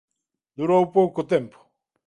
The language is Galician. Durou pouco tempo.